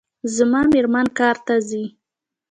زما میرمن کار ته ځي